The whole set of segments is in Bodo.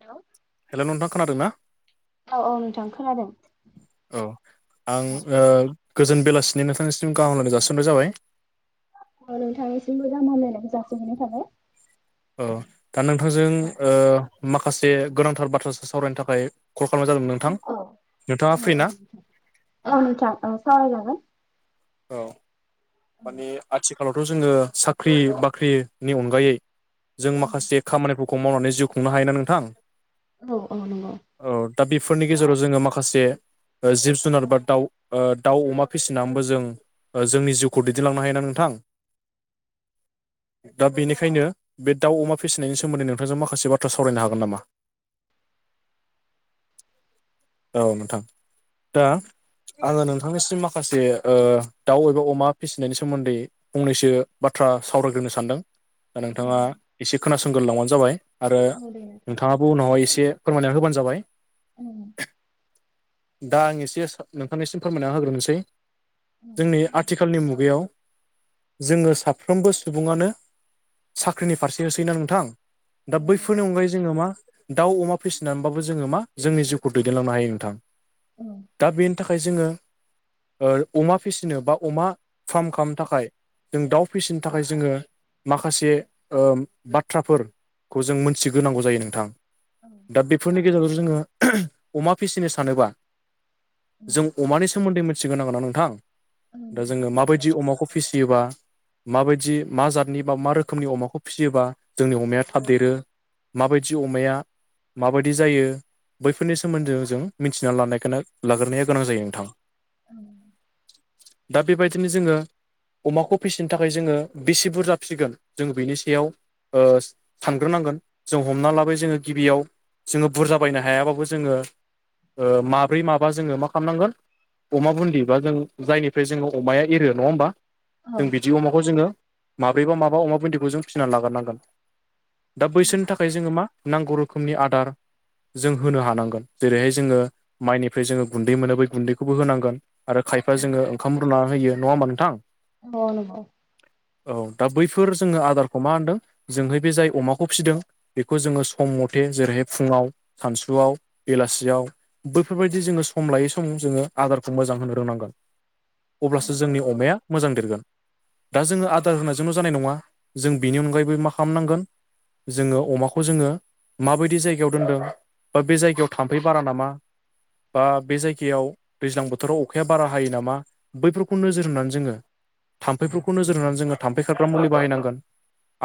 हेलौ हेल' नोंथां खोनादोंना औ औ नोंथां खोनादों औ आं औ ओ गोजोन बेलासिनि नोंथांनिसिम गाहाम हामलायनाय जासिहरनाय जाबाय औ नोंथांनिसिमबो गाहाम हामलायनायखौ जासिहरनाय थाबाय औ दा नोंथांजों औ ओ माखासे गोनांथार बाथ्रासो सावरायनो थाखाय कल खालामनाय जादोंमोन नोंथां [unintelligible] नोंथाङा फ्रि ना औ नोंथां औ सावरायजागोन औ माने आथिखालावथ' जोङो साख्रि बाख्रिनि अनगायै जों माखासे खामानिफोरखौ मावनानै जिउ खुंनो हायोना नोंथां औ औ नंगौ औ दा बेफोरनि गेजेराव जोङो माखासे ओ जिब जुनार बा दाउ ओ दाउ अमा फिसिनाबो जों ओ जोंनि जिउ खौ दैदेनलांनो हायो ना नोंथां दा बेनिखायनो बे दाउ अमा फिसिनायनि सोमोन्दै नोंथांजों माखासे बाथ्रा सावरायनो हागोन नामा [inaudible] औ नोंथां दा आङो नोंथांनिसिम माखासे ओ दाउ एबा अमा फिसिनायनि सोमोन्दै फंनैसो बाथ्रा सावरायग्रोनो सानदों दा औ नोंथाङा एसे खोनासंग्रो लांबानो जाबाय आरो औ दे नोंथां नोंथाङाबो उनावहाय एसे फोरमायनानै होबानो जाबाय उम दा आं एसे नोंथांनिसिम फोरमायना होग्रोनोसै औ जोंनि आ खालनि मुगायाव जोङो साफ्रोमबो सुबुङानो साख्रिनि फारसे होसोयोना नोंथां दा औ नंगौ बैफोरनि नोंथां अनगायै जोङो मा दाउ अमा फिसिनानैबाबो जोङो मा जोंनि जिउखौ दैदेनलांनो हायो नोंथां औ दा बे थाखाय जोङो ओ अमा फिसिनो बा अमा फार्म खालामनो थाखाय जों दाउ फिसिनो थाखाय जोङो माखासे ओ बाथ्राफोर खौ जों मोनथिग्रोनांगौ जायो नोंथां औ दा बेफोरनि गेजेरजों जोङो [unintelligible] अमा फिसिनो सानोबा जों अमानि सोमोन्दै सिगोन नांगौ ना नोंथां औ दा नोंथां जोङो माबायदि अमाखौ फिसियोबा माबायदि मा जादनि बा मा रोखोमनि अमाखौ फिसियोबा जोंनि अमाया थाब देरो माबायदि अमाया माबायदि जायो बैफोरनि सोमोन्दो जों मिथिना लानायखोनो लाग्रोनाया गोनां जायो नोंथां [unintelligible] दा बेबायदिनो जोङो अमाखौ फिसिनो थाखाय जोङो बेसे बुरजा फिसिगोन जोङो बिनि सायाव ओ सानग्रोनांगोन जों हमना लाबाय जोङो गिबियाव जोङो बुरजा बायनो हायाबाबो जोङो ओ माब्रै माबा जोङो मा खामनांगोन अमा बुनदि बा जों जायनि फ्राय जोङो अमाया एरो नङा होमबा औ नंगौ औ जों बि जि अमाखौ जोङो माब्रै बा माबा अमा बुन्दिखौ जों फिनानै लाग्रोनांगोन। दा बैसोरनि थाखाय जोङो मा नांगौ रोखोमनि आदार जों होनो हानांगोन जेरैहाय जोङो माइनिफ्राय जोङो गुन्दै मोनो बै गुन्दैखौबो होनांगोन आरो औ खायफा जोङो ओंखाम रुना होयो नङा होमबा नोंथां अ नंगौ औ दा बैफोर जोङो आदारखौ मा होनदों जोंहै बे जाय अमाखौ फिदों बेखौ जोङो सम मथे जेरैहाय फुङाव सानसुआव बेलासियाव बैफोरबायदि जोङो सम लायै सम जोङो आदारखौ मोजां होनो रोंनांगोन। अब्लासो जोंनि अमाया मोजां देरगोन। दा जोङो आदार होनायजोंल' जानाय नङा जों बिनि अनगायैबो मा खालामनांगोन जोङो अमाखौ जोङो माबायदि जायगायाव दोनदों बा बे जायगायाव थाम्फै बारा नामा? बा बे जायगायाव दैज्लां बोथोराव अखाया बारा हायो नामा? बैफोरखौ नोजोर होनानै जोङो थाम्फैफोरखौ नोजोर होनानै जोङो थाम्फै खारग्रा मुलि बाहायनांगोन।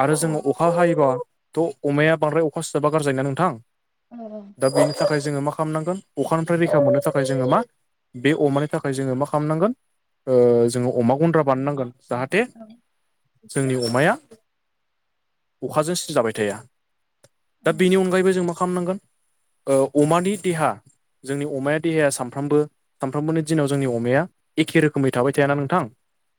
आरो जोङो अखा हायोबाथ' अमाया बांद्राय अखा सिजाबा गार्जि जायोना नोंथां। [unintelligible] दा बेनि थाखाय जोङो मा खालामनांगोन अखानिफ्राय रैखा मोननो थाखाय जोङो मा बे अमानि थाखाय जोङो मा खालामनांगोन ओ जोङो अमा गन्द्रा बानायनांगोन जाहाथे जोंनि अमाया अखाजों सिजाबाय थाया। दा बेनि अनगायैबो जों मा खालामनांगोन ओ अमानि देहा जोंनि अमाया देहाया सानफ्रामबो सानफ्रोमबोनि दिनाव जोंनि अमाया एखे रोखोमै थाबाय थायाना नोंथां।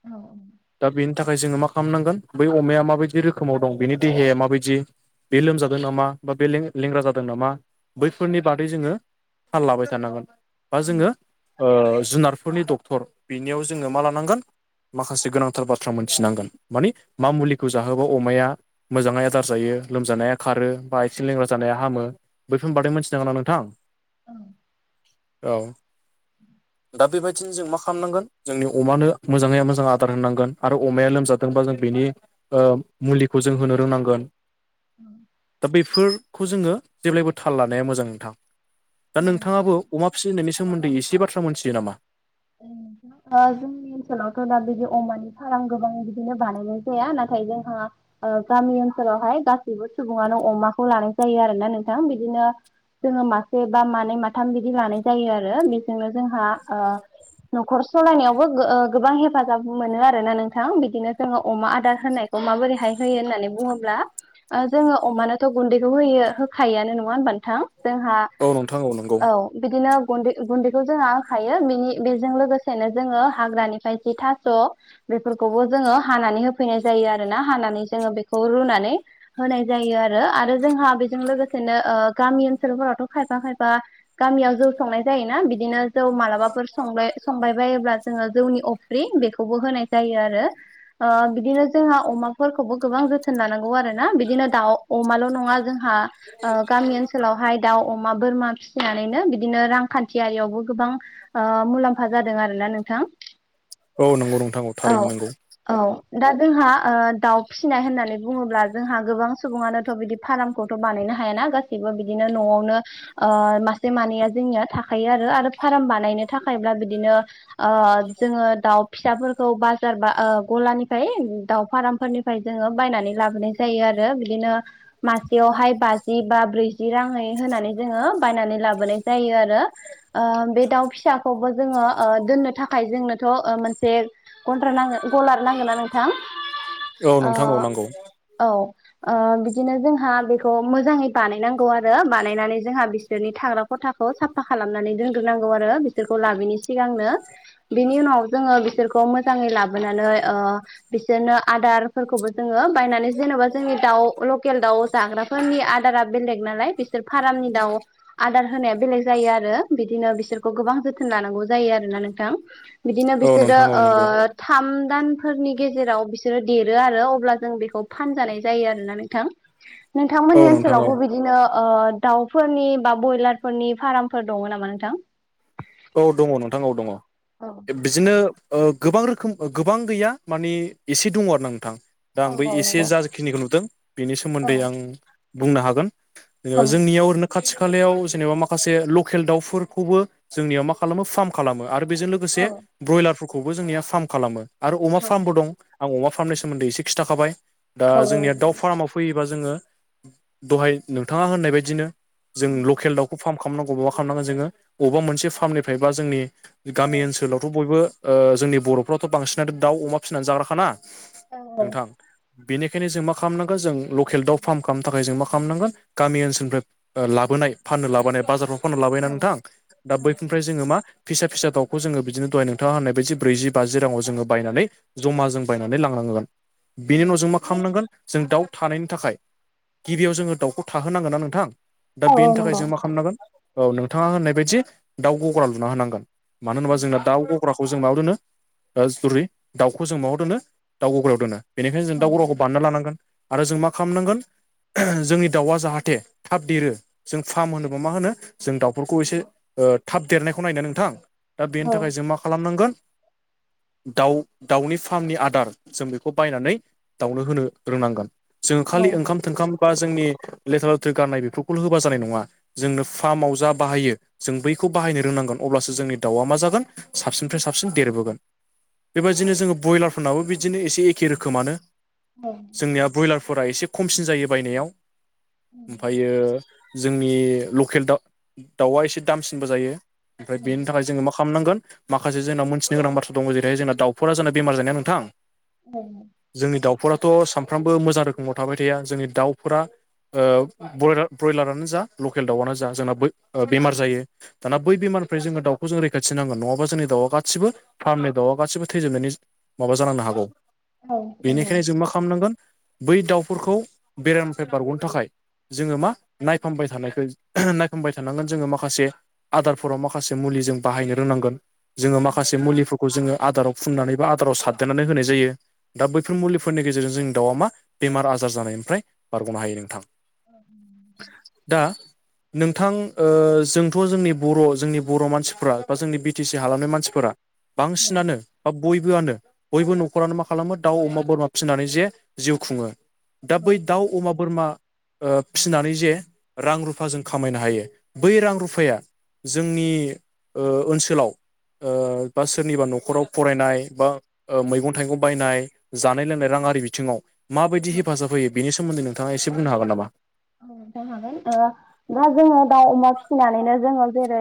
औ औ। दा बेनि थाखाय जोङो मा खालामनांगोन बै अमाया माबायदि रोखोमाव दं बेनि देहाया माबायदि बे लोमजादों नामा बा बे लें लेंग्रा जादों नामा बैफोरनि बादै जोङो फाललाबाय थानांगोन बा जोङो ओ जुनारफोरनि दख थर बेनियाव जोङो मा लानांगोन माखासे गोनांथार बाथ्रा मोनथिनांगोन मानि मा मुलिखौ जाहोबा अमाया मोजाङै आदार जायो लोमजानाया खारो बा आथिं लेंग्रा जानाया हामो बैफोर बादै मिन्थिनांगोन ना नोंथां। औ। औ दा बेबायदिनो जों मा खालामनांगोन जोंनि अमानो मोजाङै मोजां आदार होनांगोन आरो अमाया लोमजादोंबा जों बेनि ओ मुलिखौ जों होनो रोंनांगोन। उम्म। दा बेफोरखौ जोङो जेब्लायबो थाल लानाया मोजां नोंथां दा नोंथाङाबो नोंथां अमा फिसिनायनि सोमोन्दै एसे बाथ्रा मोनथियो नामा? ओ जोंनि ओनसोलावथ' दा बिदि अमानि फाराम गोबां बिदिनो बानायनाय जाया नाथाय जोंहा ओ गामि ओनसोलावहाय गासैबो सुबुङानो अमाखौ लानाय जायो आरो ना नोंथां बिदिनो जोङो मासे बा मानै माथाम बिदि लानाय जायो आरो बेजोंनो जोंहा ओ न'खर सलायनायावबो गो ओ गोबां हेफाजाब मोनो आरोना नोंथां बिदिनो जोङो अमा आदार होनाय माबोरैहाय होयो होननानै बुङोब्ला ओ जोङो अमानोथ' गुन्दैखौ होयो होखायोयानो नङा होनबा नोथां। जोंहा औ नोंथां नंगौ औ बिदिनो गुन्दै गुन्दैखौ जोंहा होखायो बिनि बेजों लोगोसेनो जोङो हाग्रानिफ्राय जि थास' बेफोरखौबो जोङो हानानै होफैनाय जायो आरोना हानानै जोङो बेखौ रुनानै होनाय जायो आरो। आरो जोंहा बेजों लोगोसेनो ओ गामि ओनसोलफोरावथ' खायफा खायफा गामियाव जौ संनाय जायोना बिदिनो जौ मालाबाफोर संबाय संबाय बायो। जेब्ला जोङो जौनि अफ्रि बेखौबो होनाय जायो आरो ओ बिदिनो जोंहा अमा फोरखौबो गोबां जोथोन लानांगौ आरो ना बिदिनो दाउ अमाल' नङा जोंहा ओ गामि ओनसोलावहाय दाउ अमा बोरमा फिसिनानैनो बिदिनो रांखान्थियारियावबो गोबां ओ मुलाम्फा जादों आरोना नोंथां। औ नंगौ नोंथां औ थारैनो नंगौ। औ दा जोंहा ओ दाउ फिसिनाय होननानै बुङोब्ला जोंहा गोबां सुबुङानोथ' बिदि फाराम खौथ' बानायनो हायाना गासिबो बिदिनो न'आवनो ओ मासे मानैया जोंनिया थाखायो आरो। आरो फार्म बानायनो थाखायब्ला बिदिनो ओ जोङो दाउ फिसाफोरखौ बाजार बा ओ गलानिफ्राय दाउ फारामफोरनिफ्राय जोङो बायनानै लाबोनाय जायो आरो बिदिनो मासेयावहाय बाजि बा ब्रैजि राङै होनानै जोङो बायनानै लाबोनाय जायो आरो। ओ बे दाउ फिसाखौबो जोङो ओ दोननो थाखाय जोंनोथ' ओ मोनसे गन्द्रा नांगोन गलार नांगोन ना नोंथां? औ ओ नोंथां औ नांगौ। औ। ओ बिदिनो जोंहा बेखौ मोजाङै बानायनांगौ आरो बानायनानै जोंहा बिसोरनि थाग्रा खथाखौ साफा खालामनानै दोनग्रोनांगौ आरो बिसोरखौ लाबोयिनि सिगांनो। बिनि उनाव जोङो बिसोरखौ मोजाङै लाबोनानै ओ बिसोरनो आदारफोरखौबो जोङो बायनानै जेन'बा जोंनि दाउ लकेल दाउ जाग्राफोरनि आदारा बेलेग नालाय बिसोर फारामनि दाउ आदार होनाया बेलेग जायो आरो बिदिनो बिसोरखौ गोबां जोथोन लानांगौ जायो आरोना नोंथां। बिदिनो औ बिसोरो नोंथां औ ओ नंगौ थाम दानफोरनि गेजेराव बिसोरो देरो आरो अब्ला जों बेखौ फानजानाय जायो आरोना नोंथां। उ [inaudible] [unintelligible] नोंथांमोननि ओनसोलावबो बिदिनो ओ दाउफोरनि बा ब्रयलारफोरनि फार्मफोर दङ नामा नोंथां? औ दङ नोंथां औ दङ। औ। बिदिनो गोबां रोखोम गोबां गैया माने एसे दङ आरो ना नोंथां। दा आं बै एसे जाखिनिखौ नुदों बेनि सोमोन्दै आं बुंनो हागोन। जेनेबा जोंनियाव ओरैनो खाथि खालायाव जेनेबा माखासे लकेल दाउफोरखौबो जोंनियाव मा खालामो फार्म खालामो आरो बेजों लोगोसे ब्रयलारफोरखौबो जोंनिया फार्म खालामो। आरो अमा फार्मबो दं आं अमा फार्मनि सोमोन्दै एसे खिन्थाखाबाय दा जोंनिया दाउ फार्माव फैयोबा जोङो दहाय नोंथाङा होननाय बायदिनो जों लकेल दाउखौ फार्म खालामनांगौ बबेबा खालामनांगौ जोङो बबेबा मोनसे फार्मनिफ्राय बा जोंनि गामि ओनसोलावथ' बयबो जोंनि बर'फ्राथ' बांसिनानो दाउ अमा फिसिनानै जाग्राखाना नोंथां। बेनिखायनो जों मा खालामनांगोन जों लकेल दाउ फार्म खालामनो थाखाय जों मा खालामनांगोन गामि ओनसोलनिफ्राय लाबोनाय फाननो लाबोनाय बाजारफ्राव फाननो लाबोयो ना नोंथां दा बैफोरनिफ्राय जोङो मा फिसा -फिसा दाउखौ जोङो बिदिनो दहाय नोंथाङा होननाय बायदि ब्रैजि बाजि राङाव जोङो बायनानै जमा जों बायनानै लांनांगोन बेनि उनाव जों मा खालामनांगोन जों दाउ थानायनि थाखाय गिबियाव जोङो दाउखौ थाहोनांगोन ना नोंथां। दा बेनि थाखाय जों मा खालामनांगोन औ नोंथाङा होननाय बायदि दाउ गग्रा लुना होनांगोन। मानो होनोबा जोंना दाउखौ गग्राखौ जों मायाव दोनो ओ सरि दाउखौ जों मायाव दोनो दाउ गग्रायाव दोनो। बेनिखायनो जों दाउ गग्राखौ बानायना लानांगोन आरो जों मा खालामनांगोन। जोंनि दाउआ जाहाथे थाब देरो जों फार्म होनोबा मा होनो जों दाउफोरखौ एसे ओ थाब देरनायखौ नायनो नोंथां दा बेनि थाखाय जों मा खालामनांगोन। दाउ दाउनि फार्मनि आदार जों बेखौ बायनानै दाउनो होनो रोंनांगोन। जोङो खालि ओंखाम थोंखाम बा जोंनि लेथ्रा लेथ्रा गाननाय बेफोरखौल' होबा जानाय नङा। जोंनो फार्माव जा बाहायो। जों बैखौ बाहायनो रोंनांगोन अब्लासो जोंनि दाउआ मा जागोन साबसिननिफ्राय साबसिन देरबोगोन। बेबायदिनो जोङो ब्रयलारफोरनाबो बिदिनो एसे एखे रोखोमानो। औ। जोंनिया ब्रयलारफोरा एसे खमसिन जायो बायनायाव ओमफ्रायो जोंनि लकेल दा दाउआ एसे दामसिनबो जायो ओमफ्राय बेनि थाखाय जोङो माखा खालामनांगोन माखासे जोंना मोनथिनो गोनां बाथ्रा दङ जेरैहाय जोंना दाउफोरा जोंना बेमार जा नोंथां। [inaudible] जोंनि दाउफोराथ' सानफ्रामबो मोजां रोखोमाव थाबाय थाया जोंनि दाउफोरा ओ ब्रयलारानो जा लकेल दाउआनो जा जोंना बेमार जायो। दाना बै बेमारनिफ्राय जोङो दाखौ जों रैखाथि नांगोन नङाबा जोंनि दाउआ गासिबो फार्मे द'आ गासिबो थैजोबनायनि माबा जानांनो हागौ बेनिखायनो जों मा खालामनांगोन बै दाउफोरखौ बेरनिफ्राय बारग'नो थाखाय जोङो मा नायफामबाय थानायख नायफामबाय थानांगोन जोङो माखासे आदारफोराव माखासे मुलि जों बाहायनो रोंनांगोन जोङो माखासे मुलि खौ जोङो आदाराव फुननानै बा आदाराव सारदेरनानै होनाय जायो। दा बैफोर मुलिफोरनि गेजेरजों जों दाउआ मा बेमार आजार जानायनिफ्राय बारग'नो हायो नोंथां। अ। दा नोंथां ओ जों थ' जोंनि बर' जोंनि बर' मानसिफोरा बा जोंनि बि टि सि हालामनि मानसिफोरा बांसिनानो। बा बयबोआनो बयबो न'खरानो मा खालामो दाउ अमा बोरमा फिसिनानै जे जिउ खुङो दा बै दाउ अमा बोरमा ओ फिसिनानै जे रां रुफा जों खामायनो हायो बै रां रुफ फाया ओ जोंनि ओनसोलाव ओ बा सोरनिबा न'खराव फरायनाय बा ओ मैगं थाइगं बायनाय जानाय लोंनाय राङि बिथिङाव माबायदि हेफाजाब होयो बेनि सोमोन्दै नोंथाङा एसे बुंनो हागोन नामा ज हागोन दा जोङो दाउ अमा फिसिनानैनो जोङो जेरै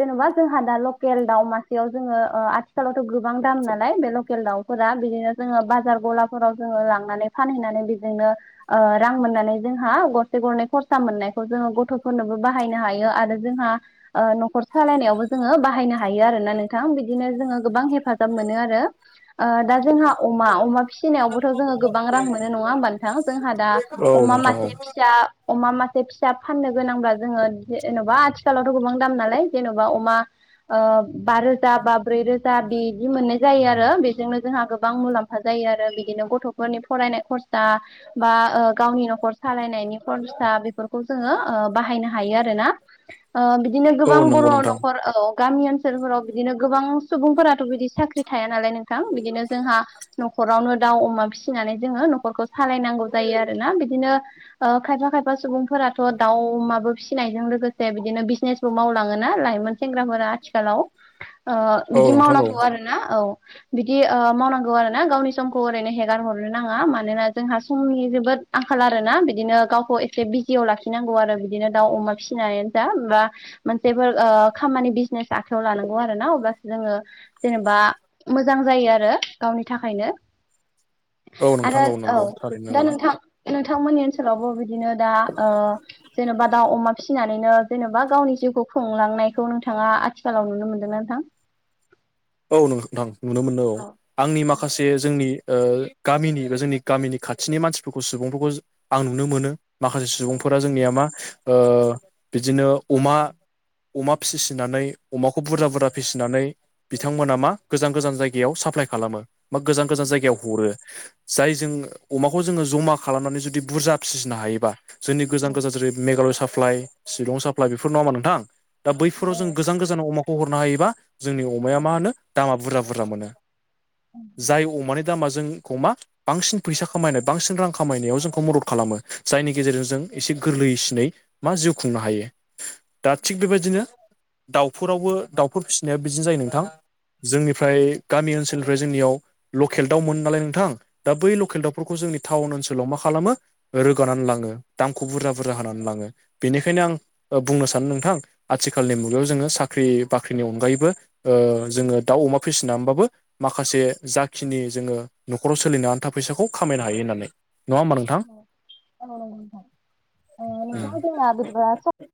जेनेबा जोंहा दा लकेल दाउ मासेयाव जोङो आथिखालावथ' गोबां दाम नालाय बे लकेल दाउ फोर बिदिनो जोङो बाजार गलाफोराव जोङो लांनानै फानहैनानै बिजोंनो रां मोननानै जों जों गरसे गरनै खरसा मोननायखौ जोङो गथ'फोरनोबो बाहायनो हायो आरो जोंहा न'खर सालायनायावबो जोङो बाहायनो हायो आरोना नोंथां बिदिनो जोङो गोबां हेफाजाब मोनो आरो। ओ दा जोंहा अमा अमा फिसिनायावबोथ' जोङो गोबां रां मोनो नङा होमबा नोंथां जोंहा दा औ अमा नोंथां मासे औ। फिसा अमा मासे फिसा फाननो गोनांब्ला जोङो जेन'बा आथिखालावथ' गोबां दाम नालाय जेन'बा अमा बा रोजा बा ब्रै रोजा बिदि मोननाय जायो आरो बेजोंनो जोंहा गोबां मुलाम्फा जायो आरो बिदिनो गथ'फोरनि फरायनाय खरसा बा गावनि न'खरसा सालायनायनि खरसा बेफोरखौ जोङो बाहायनो हायो आरो ना बिदिनो औ गोबां बर' नंगौ नोंथां न'खर औ। गामि ओनसोलफोराव बिदिनो गोबां सुबुंफोराथ' बिदि साख्रि थाया नालाय नोंथां बिदिनो जोंहा न'खरावनो दाउ अमा फिसिनानै जोङो न'खरखौ सालायनांगौ जायो आरोोना बिदिनो ओ खायफा खायफा सुबुंफोराथ' दाउमाबो फिसिनायजों लोगोसे बिदिनो बिजनेसबो मावलाङोना लाइमोन सेंग्राफोरा आथिखालाव [unintelligible] औ बिदि नोंथां औ मावनांगौ आरो ना औ। बिदि मावनांगौ आरो ना गावनि समखौ ओरैनो हेगार हरनो नाङा मानोना जोंहा समनि जोबोद आंखाल आरोना बिदिनो गावखौ एसे बिजियाव लाखिनांगौ आरो बिदिनो दाउ अमा फिनानैनो दा बा मोनसेफोर ओ खामानि बिजनेस आखायाव लानांगौ आरो ना अब्लासो जोङो जेनेबा मोजां जायो आरो। गावनि थाखायनो। औ नोंथां आरो औ नंगौ थारैनो दा नंगौ नोंथां नोंथांमोननि ओनसोलावबो बिदिनो दा जेनेबा दाउ अमा फिसिनानैनो जेनेबा गावनि जिउखौ खुंलांनायखौ नोंथाङा आथिखालाव नुनो मोनदोंना नोंथां। औ नोंथां नुनो मोनो औ आंनि माखासे जोंनि गामिनि जोंनि गामिनि खाथिनि मानसिफोरखौ सुबुंफोरखौ आं नुनो मोनो माखासे सुबुंफोरा जोंनिया मा ओ बिदिनो अमा, अमा फिसिनानै अमाखौ बुरजा बुरजा फिसिनानै बिथांमोना मा गोजान गोजान जायगायाव साप्लााय खालामो। बा गोजान गोजान जायगायाव हरो। जाय जों अमाखौ जोङो जमा खालामनानै जुदि बुरजा फिसिनो हायोबा जोंनि गोजान गोजान जेरै मेघालय साप्लाइ शिलं साप्लाइ बेफोर नङा होमबा नोंथां? दा बैफोराव जों गोजान गोजानाव अमा हरनो हायोबा जोंनि अमाया माहोनो दामा बुरजा बुरजा मोनो। जाय अमानि दामाजों खमा बांसिन फैसा खामायनाय बांसिन रां खामायनायाव जोंखौ मदद खालामो। जायनि गेजेरजों जों एसे गोरलैसिनै मा जिउ खुंनो हायो, दा थिग बेबायदिनो दाउफोरावबो दाउफोर फिसिनाया बिदिनो जायो नों थां जोंनिफ्राय गामि ओनसोलनिफ्राय जोंनियाव लकेल दाउमोन नालाय नोंथां। दा बै लकेल दाउफोरखौ जोंनि टाउन ओनसोलाव मा खालामो रोगानानै लाङो। दामखौ बुरजा बुरजा होनानै लाङो। बेनिखायनो आं बुंनो सानो नोंथां, आथिखालनि मुगायाव जोङो साख्रि बाख्रिनि अनगायैबो ओ जोङो दाउ अमा फिसिनानैबाबो माखासे जाखिनि जोङो न'खराव सोलिनो आन्था फैसाखौ खामायनो हायो होननानै। नङा होमा औ नोंगौ नोंथां। ओ उम। नोंथाङा जोंना बोरैबा